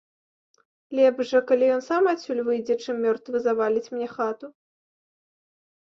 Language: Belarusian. Лепш жа, калі ён сам адсюль выйдзе, чым мёртвы заваліць мне хату.